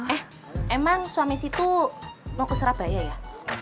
eh emang suami situ mau ke surabaya ya